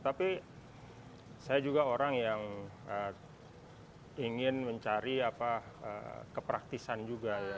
tapi saya juga orang yang ingin mencari kepraktisan juga ya